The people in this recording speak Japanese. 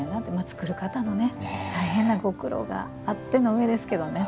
作る方も大変なご苦労があってのうえですけどね。